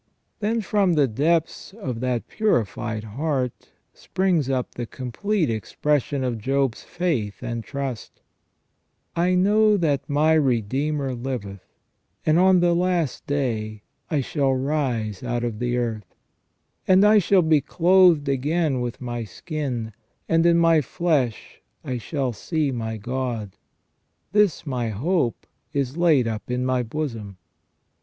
Then from the depths of that purified heart springs up the complete expression of Job's faith and trust :" I know that my Redeemer liveth, and on the last day I shall rise out of the earth ; and I shall be clothed again with my skin, and in my flesh I shall see my God ; this my hope is laid up in my bosom